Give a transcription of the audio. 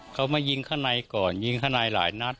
เขามายิงข้างในก่อนยิงข้างในหลายนัด